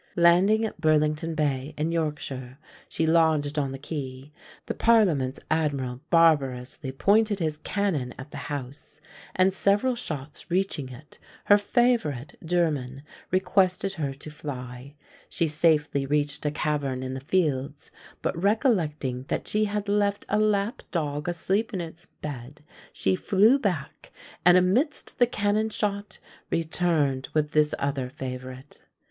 Landing at Burlington bay in Yorkshire, she lodged on the quay; the parliament's admiral barbarously pointed his cannon at the house; and several shots reaching it, her favourite, Jermyn, requested her to fly: she safely reached a cavern in the fields, but, recollecting that she had left a lap dog asleep in its bed, she flew back, and amidst the cannon shot returned with this other favourite.